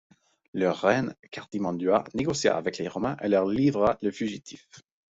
Leur reine, Cartimandua, négocia avec les Romains et leur livra le fugitif.